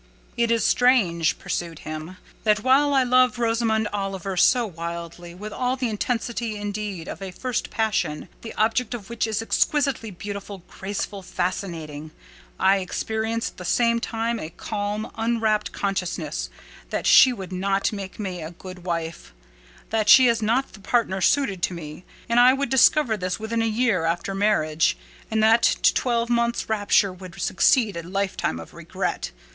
"It is strange," pursued he, "that while I love Rosamond Oliver so wildly—with all the intensity, indeed, of a first passion, the object of which is exquisitely beautiful, graceful, fascinating—I experience at the same time a calm, unwarped consciousness that she would not make me a good wife; that she is not the partner suited to me; that I should discover this within a year after marriage; and that to twelve months' rapture would succeed a lifetime of regret.